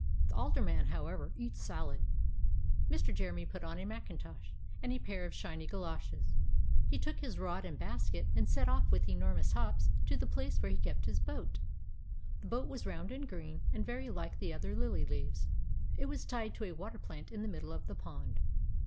The Alderman, however, eats salad." Mr. Jeremy put on a macintosh, and a pair of shiny goloshes; he took his rod and basket, and set off with enormous hops to the place where he kept his boat. The boat was round and green, and very like the other lily leaves. It was tied to a water plant in the middle of the pond.